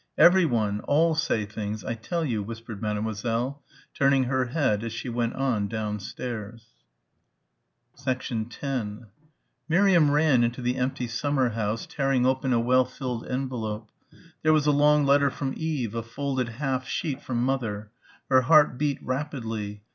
"Everyone, all say things, I tell you," whispered Mademoiselle turning her head as she went on downstairs. 10 Miriam ran into the empty summer house tearing open a well filled envelope. There was a long letter from Eve, a folded half sheet from mother. Her heart beat rapidly.